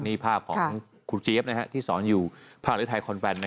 นี่ภาพของครูเจฟนะที่สอนอยู่ภารณะไทยคอนแฟนนะ